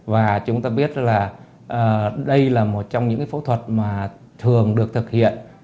và chúng ta biết là đây là một trong những phẫu thuật mà thường được thực hiện